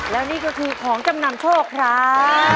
แล้วนี่ก็คือของจำนำโชคครับ